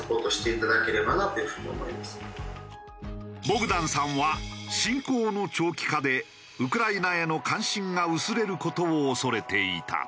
ボグダンさんは侵攻の長期化でウクライナへの関心が薄れる事を恐れていた。